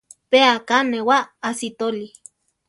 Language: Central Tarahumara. Pe aká newáa asítoli.